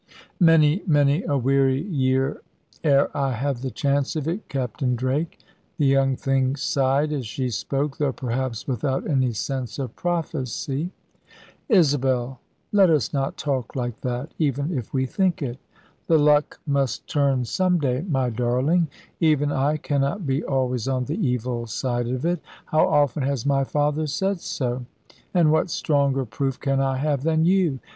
"Many, many a weary year, ere I have the chance of it, Captain Drake." The young thing sighed as she spoke, though perhaps without any sense of prophecy. "Isabel, let us not talk like that, even if we think it. The luck must turn some day, my darling; even I cannot be always on the evil side of it. How often has my father said so! And what stronger proof can I have than you?